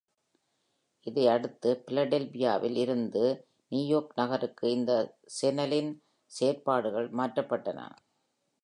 இதையடுத்து பிலடெல்பியாவில் இருந்து நியூயார்க் நகருக்கு இந்த சேனலின் செயல்பாடுகள் மாற்றப்பட்டன.